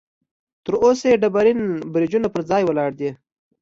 تر اوسه یې ډبرین برجونه پر ځای ولاړ دي.